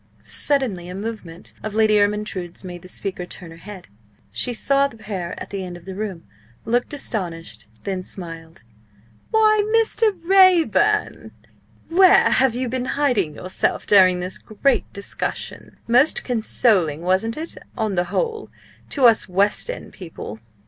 Suddenly a movement of Lady Ermyntrude's made the speaker turn her head. She saw the pair at the end of the room, looked astonished, then smiled. "Why, Mr. Raeburn! where have you been hiding yourself during this great discussion? Most consoling, wasn't it on the whole to us West End people?"